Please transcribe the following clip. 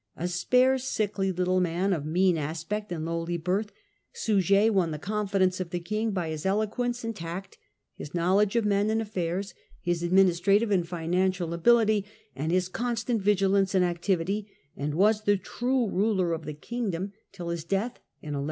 A spare, sickly little man, of mean aspect and lowly birth, Suger won the confidence of the king by his eloquence and tact, his knowledge of men and affairs, his administrative and financial ability and his constant vigilance and activity, and was the true ruler of the kingdom till his death in 1151.